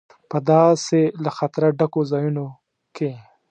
په داسې له خطره ډکو ځایونو کې.